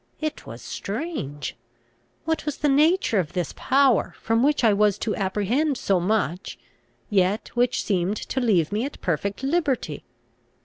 It was strange! What was the nature of this power, from which I was to apprehend so much, yet which seemed to leave me at perfect liberty?